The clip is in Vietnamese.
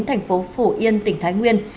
bích đã đến thành phố phủ yên tỉnh thái nguyên